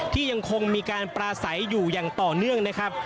ยังคงมีการปราศัยอยู่อย่างต่อเนื่องนะครับ